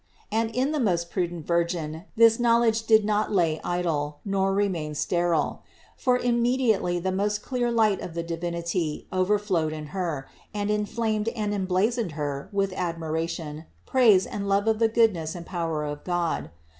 18. And in the most prudent Virgin this knowledge did not lay idle, nor remain sterile ; for immediately the most clear light of the Divinity overflowed in Her, and inflamed and emblazoned Her with admiration, praise and love of the goodness and power of God.